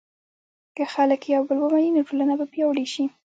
که خلک یو بل ومني، نو ټولنه به پیاوړې شي.